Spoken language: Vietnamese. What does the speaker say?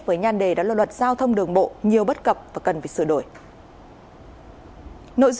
với nhan đề đó là luật giao thông đường bộ nhiều bất cập và cần phải sửa đổi